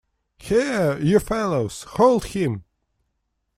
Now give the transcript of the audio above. Here, you fellows, hold him!